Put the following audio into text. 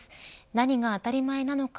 何が当たり前なのか